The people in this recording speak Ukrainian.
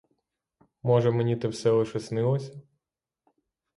Може мені те все лише снилося?